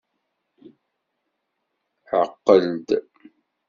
Ɛqel-d.